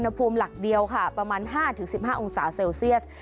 อุณหภูมิหลักเดียวค่ะประมาณห้าถึงสิบห้าองศาเซลเซียส